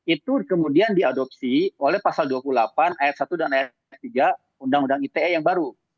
itu kemudian diadopsi oleh pasal dua puluh delapan ayat satu dan ayat tiga undang undang ite yang baru